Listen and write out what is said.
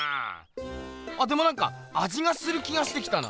でもなんかあじがする気がしてきたな。